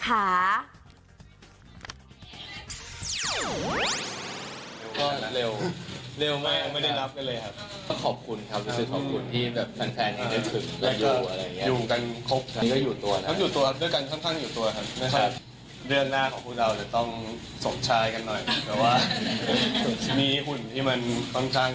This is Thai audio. ก็เร็วเร็วมากไม่ได้รับกันเลยครับ